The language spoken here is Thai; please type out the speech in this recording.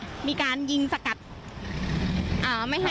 คุณภาคภูมิพยายามอยู่ในจุดที่ปลอดภัยด้วยนะคะ